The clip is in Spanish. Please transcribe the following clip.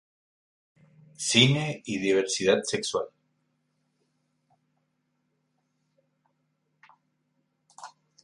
Cine y diversidad sexual.